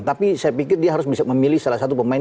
tapi saya pikir dia harus bisa memilih salah satu pemain